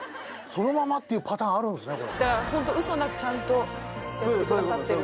そのままっていうパターンあるんですね。